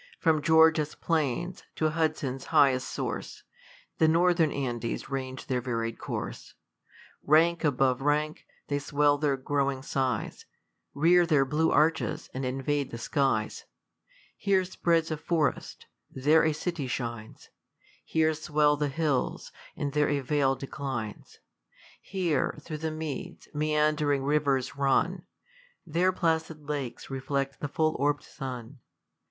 From Georgia's plains, to Hudson's highest source.^ The northern Andes range their varied course : Rank above rank, they swell their growing size> Rear their blue arches, and invade the skies. Here spreads a forest ; there a city shines : Here swell ftie hills, and there a vale declines. Here, through the meads, meand'ring rivers run j There placid lakes reflect the full orb'd sun.